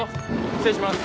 失礼します